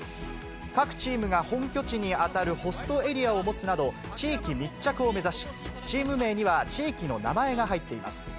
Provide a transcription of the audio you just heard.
各チームが本拠地に当たるホストエリアを持つなど、地域密着を目指し、チーム名には、地域の名前が入っています。